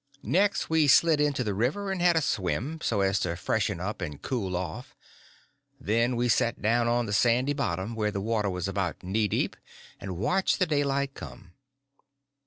Next we slid into the river and had a swim, so as to freshen up and cool off; then we set down on the sandy bottom where the water was about knee deep, and watched the daylight come.